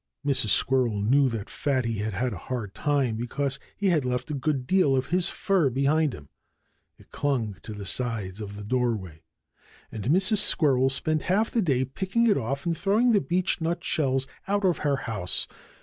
Mrs. Squirrel knew that Fatty had had a hard time, because he had left a good deal of his fur behind him. It clung to the sides of the doorway. And Mrs. Squirrel spent half the day picking it off and throwing the beechnut shells out of her house.